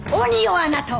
あなたは！